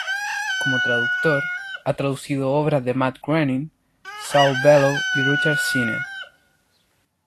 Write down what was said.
Como traductor, ha traducido obras de Matt Groening, Saul Bellow y Richard Zenith.